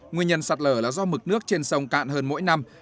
nguyên nhân sạt lở là do mực nước trên sông cạn hơn mỗi năm